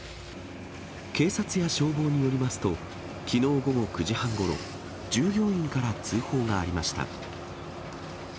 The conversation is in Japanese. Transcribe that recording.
警察や消防によりますと、きのう午後９時半ごろ、従業員から通報がありました。